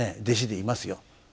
弟子でいますよ。